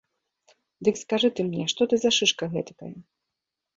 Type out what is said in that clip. Дык скажы ты мне, што ты за шышка гэтакая?